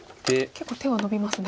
結構手はのびますね。